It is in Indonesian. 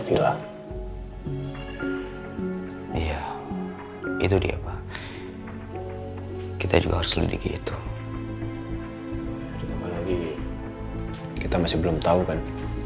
villa iya itu dia pak kita juga harus lebih gitu kita masih belum tahu kan